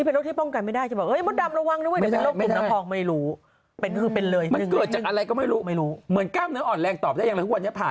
เป็นคนที่แบบแข็งแรงอยู่แล้วนะ